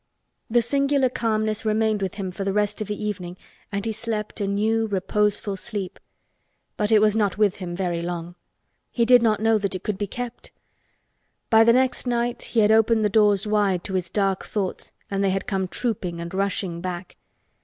The singular calmness remained with him the rest of the evening and he slept a new reposeful sleep; but it was not with him very long. He did not know that it could be kept. By the next night he had opened the doors wide to his dark thoughts and they had come trooping and rushing back.